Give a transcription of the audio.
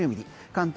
関東